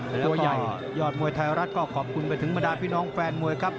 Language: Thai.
แล้วก็ยอดมวยไทยรัฐก็ขอบคุณไปถึงมาด้านพี่น้องแฟนมวยครับ